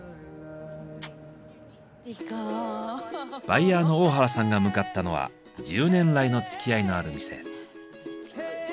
バイヤーの大原さんが向かったのは１０年来のつきあいのある店。